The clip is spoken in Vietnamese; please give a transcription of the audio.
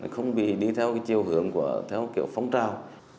không bị đi theo cái chiều hướng của theo kiểu phóng trào